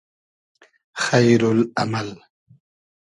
خݷرو ل امئل